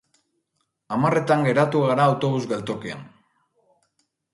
Hamarretan geratu gara autobus geltokian